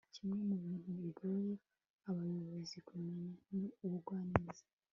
kimwe mu bintu bigoye abayobozi kumenya ni ubugwaneza